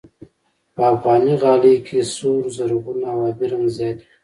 په افغاني غالۍ کې سور، زرغون او آبي رنګ زیات وي.